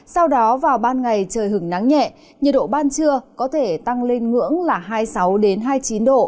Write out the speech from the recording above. sau đó vào ban ngày trời hứng nắng nhẹ nhiệt độ ban trưa có thể tăng lên ngưỡng là hai mươi sáu hai mươi chín độ